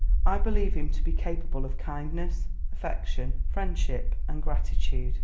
I believe him to be capable of kindness, affection, friendship, and gratitude.